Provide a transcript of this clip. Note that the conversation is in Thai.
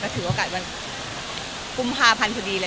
ถือว่าอากาศมันกุมภาพันธุ์สุดีเลย